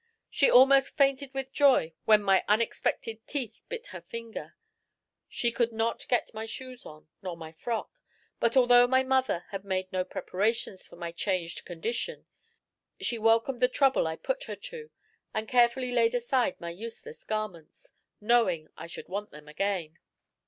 She almost fainted with joy when my unexpected teeth bit her finger. She could not get my shoes on me, nor my frock. But, although my mother had made no preparations for my changed condition, she welcomed the trouble I put her to, and carefully laid aside my useless garments, knowing I should want them again.